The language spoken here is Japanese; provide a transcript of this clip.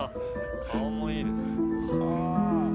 「顔もいいですね」